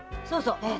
そうそう。